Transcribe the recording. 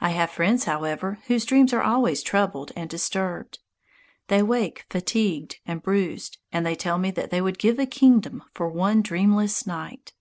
I have friends, however, whose dreams are always troubled and disturbed. They wake fatigued and bruised, and they tell me that they would give a kingdom for one dreamless night.